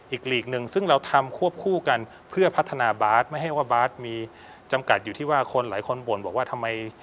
หลีกหนึ่งซึ่งเราทำควบคู่กันเพื่อพัฒนาบาสไม่ให้ว่าบาสมีจำกัดอยู่ที่ว่าคนหลายคนบ่นบอกว่าทำไม